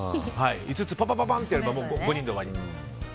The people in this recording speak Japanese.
５つパパパってやれば５人で終わり。